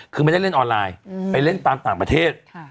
คือไม่ได้เล่นออนไลน์ไปเล่นตามต่างประเทศ